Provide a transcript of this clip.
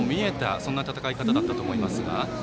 そんな戦い方だと思いますが。